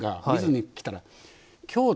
水に来たら。